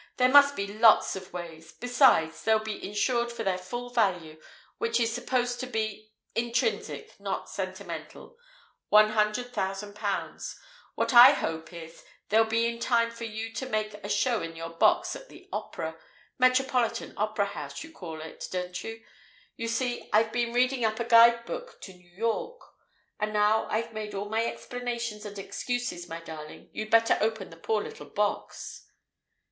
"There must be lots of ways. Besides, they'll be insured for their full value, which is supposed to be intrinsic, not sentimental one hundred thousand pounds. What I hope is, they'll be in time for you to make a show in your box at the opera Metropolitan Opera House, you call it, don't you? You see, I've been reading up a guide book to New York! And now I've made all my explanations and excuses, my darling, you'd better open the poor little box."